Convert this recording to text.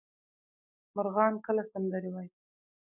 مرغان کله سندرې وايي؟